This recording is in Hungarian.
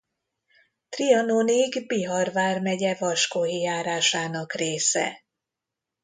Trianonig Bihar vármegye Vaskohi járásának része.